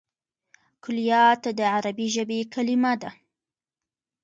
کلیات د عربي ژبي کليمه ده.